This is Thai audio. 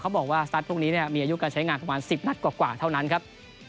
บอกว่าสตาร์ทพวกนี้มีอายุการใช้งานประมาณ๑๐นัดกว่าเท่านั้นครับ